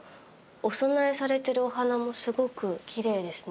お供えされてるお花もすごくきれいですね。